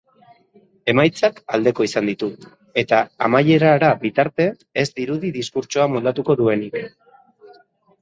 Emaitzak aldeko izan ditu eta amaierara bitarte ez dirudi diskurtsoa moldatuko duenik.